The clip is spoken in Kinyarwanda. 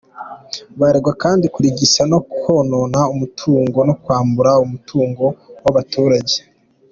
Baregwa kandi kurigisa no kwonona umutungo no kwambura umutungo w’abaturage.